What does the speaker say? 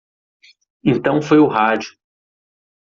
Então foi o rádio.